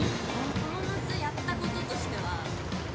この夏やったこととしては？